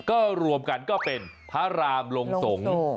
ก็รวมกันก็เป็นพระรามลงสงฆ์